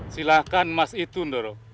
silahkan mas itun doro